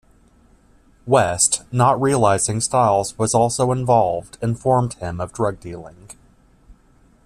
West, not realizing Styles was also involved, informed him of drug dealing.